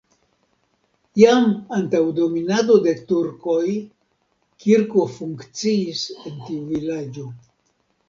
Jam antaŭ dominado de turkoj kirko funkciis en tiu vilaĝo.